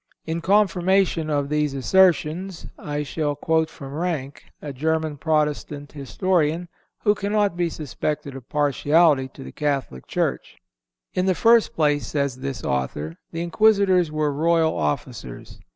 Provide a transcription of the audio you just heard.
In confirmation of these assertions I shall quote from Ranke, a German Protestant historian, who cannot be suspected of partiality to the Catholic Church. "In the first place," says this author, "the Inquisitors were royal officers.